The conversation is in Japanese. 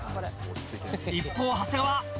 一方、長谷川。